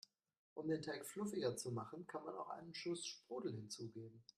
Um den Teig fluffiger zu machen, kann man auch einen Schuss Sprudel hinzugeben.